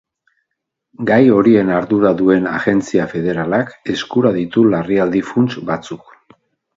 Gai horien ardura duen agentzia federalak eskura ditu larrialdi funts batzuk.